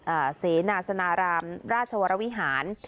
เสนาสนารามราชวรวิหาร